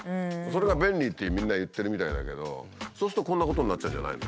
それが便利ってみんな言ってるみたいだけどそうするとこんなことになっちゃうんじゃないの？